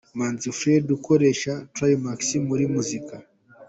Manzi Fred ukoresha Trey Max muri muzika.